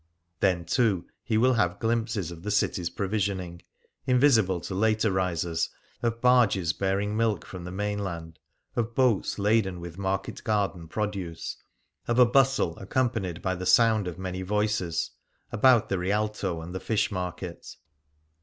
Then, too, he will have glimpses of the city's provisioning — invisible to later risers — of barges bearing milk from the mainland, of boats laden with market garden produce, of a bustle, ac companied by the sound of many voices, about the Rial to and the Fish Market.